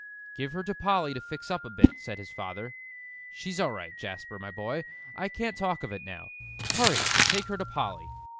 "Give her to Polly to fix up a bit," said his father. "She's all right, Jasper, my boy, I can't talk of it now. Hurry and take her to Polly."